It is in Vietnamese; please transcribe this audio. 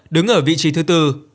đứng ở vị trí thứ tư